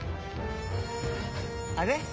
あれ？